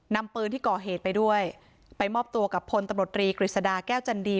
นำปืนที่ก่อเหตุไปด้วยไปมอบตัวกับพลตำรวจรีกฤษฎาแก้วจันดี